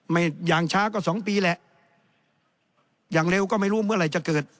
อย่างช้าก็สองปีแหละอย่างเร็วก็ไม่รู้เมื่อไหร่จะเกิด